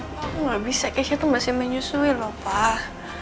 bapak aku gak bisa keisha tuh masih menyusui lho pak